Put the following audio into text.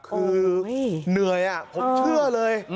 คือเหนื่อยผมเชื่อเลย